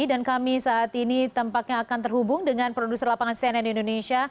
kami saat ini tampaknya akan terhubung dengan produser lapangan cnn indonesia